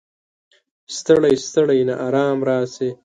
ستړی، ستړی ناارام راشي